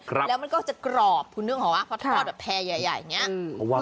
ครับแล้วมันก็จะกรอบคุณนึกเหรอวะเพราะทอดแบบแพร่ใหญ่แบบนี้อืม